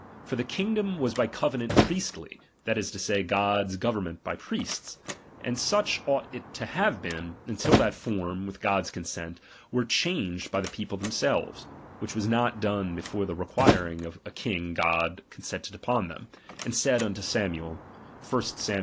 For the king dom was by covenant priestly, that is to say, God's government by priests. And such ought, it to have been, until that form, with God's consent, were changed by the people themselves ; which was not done before that requiring a king God consented unto them, and said unto Samuel ( 1 Sam.